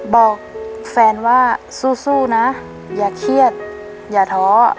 บอกแฟนว่าสู้นะอย่าเครียดอย่าท้อ